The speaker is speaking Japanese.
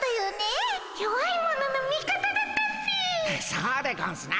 そうでゴンスな。